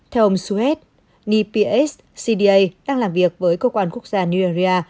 theo ông sued nipia c d a đang làm việc với cơ quan quốc gia nigeria